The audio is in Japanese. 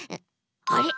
あれ？